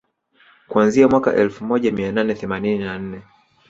kuanzia mwaka elfu moja mia nane themanini na nne